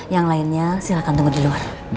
yang lainnya silahkan tunggu di luar